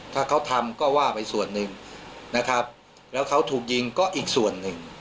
ถ้าเขาทำก็ว่าไปส่วนหนึ่งนะครับแล้วเขาถูกยิงก็อีกส่วนหนึ่ง